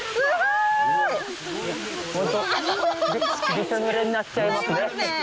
びしょぬれになっちゃいますね。